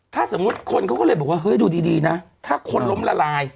ถ้าสมมุติคนเขาก็เลยบอกว่าเฮ้ยดูดีนะถ้าคนล้มละลาย